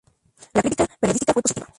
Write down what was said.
La crítica periodística fue positiva.